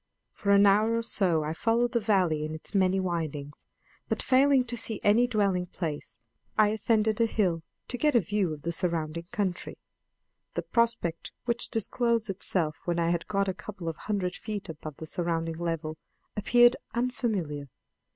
For an hour or so I followed the valley in its many windings, but, failing to see any dwelling place, I ascended a hill to get a view of the surrounding country. The prospect which disclosed itself when I had got a couple of hundred feet above the surrounding level, appeared unfamiliar.